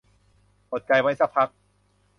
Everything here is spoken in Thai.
อดใจไว้สักพัก